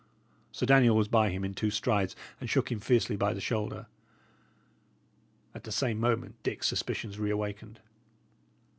Sir Daniel was by him in two strides, and shook him fiercely by the shoulder. At the same moment Dick's suspicions reawakened.